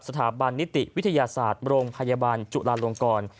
สถาบันนิติวิทยาศาสตร์โรงพยาบาลจุลาลงกร